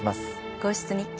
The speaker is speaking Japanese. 『皇室日記』